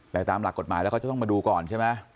แต่ตามหลักกฎหมายแล้วเขาจะต้องมาดูก่อนใช่ไหม